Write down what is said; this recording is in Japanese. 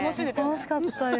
楽しかったです